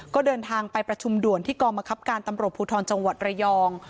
ก็เดินทางไปประชุมด่วนที่กองบังคับการตำรวจภูทรจังหวัดระยอง